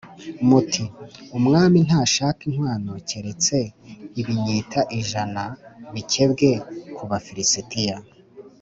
muti ‘Umwami ntashaka inkwano, keretse ibinyita ijana bikebwe ku Bafilisitiya’